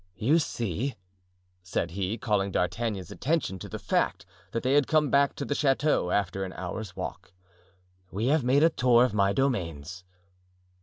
"You see," said he, calling D'Artagnan's attention to the fact that they had come back to the chateau after an hour's walk, "we have made a tour of my domains."